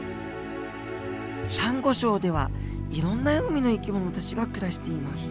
サンゴ礁ではいろんな海の生き物たちが暮らしています。